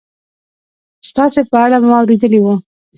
ستاسې په اړه ما اورېدلي و